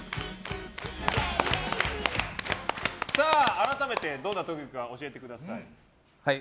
改めてどんな特技が教えてください。